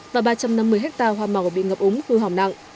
và ba trăm năm mươi hectare hoa màu bị ngập úng hư hỏng nặng